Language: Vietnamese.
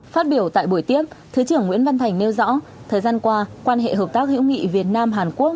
phát biểu tại buổi tiếp thứ trưởng nguyễn văn thành nêu rõ thời gian qua quan hệ hợp tác hữu nghị việt nam hàn quốc